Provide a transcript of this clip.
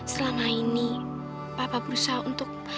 selama ini papa berusaha untuk